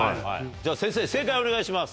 じゃあ先生正解をお願いします。